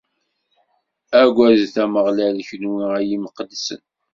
Aggadet Ameɣlal, kunwi, a imqeddsen!